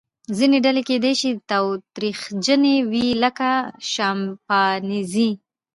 ځینې ډلې کیدای شي تاوتریخجنې وي لکه شامپانزې.